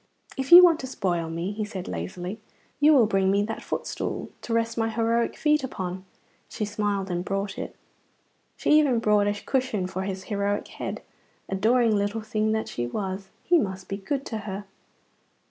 "If you want to spoil me," he said lazily, "you will bring me that footstool to rest my heroic feet upon." She smiled and brought it. She even brought a cushion for his heroic head. Adoring little thing that she was, he must be good to her.